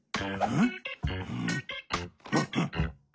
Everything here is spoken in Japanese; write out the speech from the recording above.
ん。